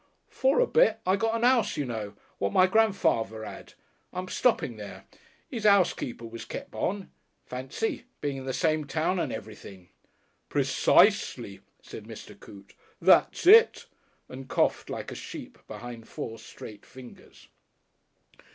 "For a bit. I got a 'ouse, you know. What my gran'father 'ad. I'm stopping there. His housekeeper was kep' on. Fancy being in the same town and everything!" "Precisely," said Mr. Coote. "That's it!" and coughed like a sheep behind four straight fingers.